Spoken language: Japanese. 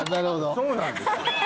そうなんですよ。